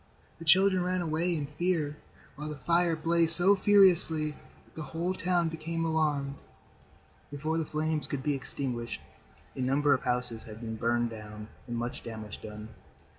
The children ran away in fear while the fire blazed so furiously that the whole town became alarmed. Before the flames could be extinguished, a number of houses had been burned down and much damage done.